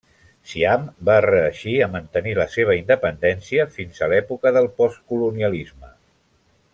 Siam va reeixir a mantenir la seva independència fins a l'època del postcolonialisme.